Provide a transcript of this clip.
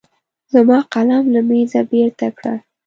زما قلم له مېزه بېرته کړه.